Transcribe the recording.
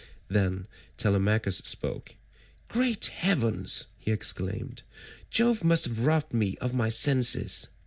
Then Telemachus spoke. "Great heavens!" he exclaimed, "Jove must have robbed me of my senses.